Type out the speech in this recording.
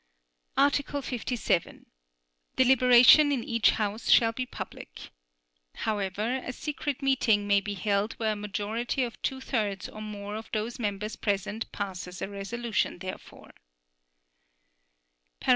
Article 57. Deliberation in each House shall be public. However, a secret meeting may be held where a majority of two thirds or more of those members present passes a resolution therefor.